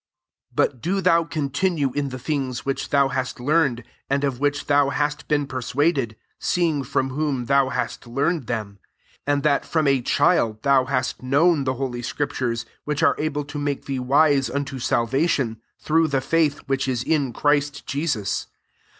1 4 But do thou continue in the things which thou hast learned, and of which thou hast been per suaded, seeing from whom thou hast learned them ; 15 and that from* a child thou hast known the holy scriptures, which' are able to make thee wise unto salvation, through the faith which is in Christ Jesus.